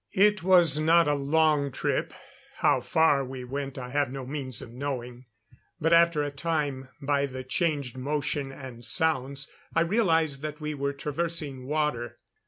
It was not a long trip. How far we went I have no means of knowing. But after a time, by the changed motion and sounds, I realized that we were traversing water.